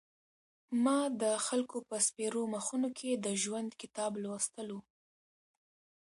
ما د خلکو په سپېرو مخونو کې د ژوند کتاب لوستلو.